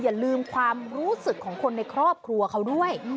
อย่าลืมความรู้สึกของคนในครอบครัวเขาด้วย